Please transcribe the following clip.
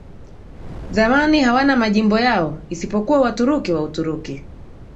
zamani hawana majimbo yao isipokuwa Waturuki wa Uturuki